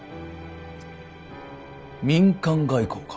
民間外交か。